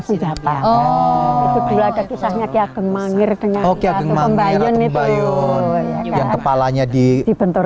senjata oh itu juga ada kisahnya kia gengmangir dengan oke kembang bayun yang kepalanya dibentur